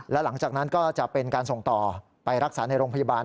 และหลังจากนั้นก็จะเป็นการส่งต่อไปรักษาในโรงพยาบาล